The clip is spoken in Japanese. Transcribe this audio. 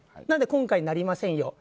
なので、今回はなりません。